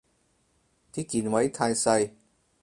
啲鍵位太細